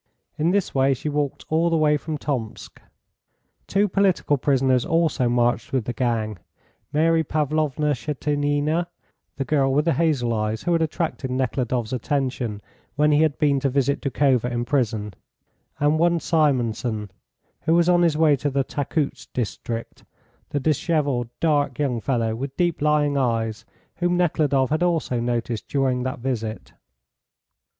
In this way she walked all the way from Tomsk. Two political prisoners also marched with the gang, Mary Pavlovna Schetinina, the girl with the hazel eyes who had attracted Nekhludoff's attention when he had been to visit Doukhova in prison, and one Simonson, who was on his way to the Takoutsk district, the dishevelled dark young fellow with deep lying eyes, whom Nekhludoff had also noticed during that visit.